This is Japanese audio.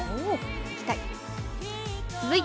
行きたい。